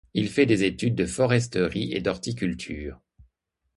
Il fait des études de foresterie et d’horticulture.